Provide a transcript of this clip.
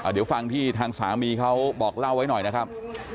เดี๋ยวฟังที่ทางสามีเขาบอกเล่าไว้หน่อยนะครับ